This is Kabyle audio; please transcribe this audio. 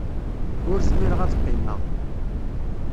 Ur zmireɣ ad qqimeɣ.